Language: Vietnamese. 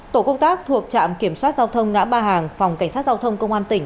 tổ công tác thuộc trạm kiểm soát giao thông ngã ba hàng phòng cảnh sát giao thông công an tỉnh